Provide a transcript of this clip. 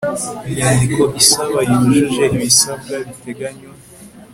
inyandiko isaba yujuje ibisabwa biteganywa